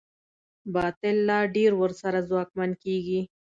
باطل لا ډېر ورسره ځواکمن کېږي.